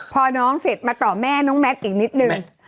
พอน้องเสร็จมาต่อแม่น้องแมทอีกนิดนึง